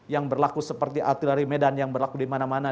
yang berlaku seperti artileri medan yang berlaku di mana mana